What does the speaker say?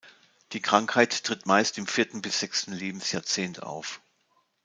Die Krankheit tritt meist im vierten bis sechsten Lebensjahrzehnt auf.